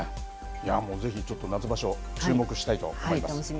ぜひちょっと夏場所注目したいと思います。